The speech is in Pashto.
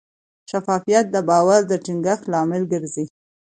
شفافیت د باور د ټینګښت لامل ګرځي.